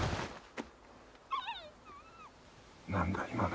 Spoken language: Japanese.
何だ今の。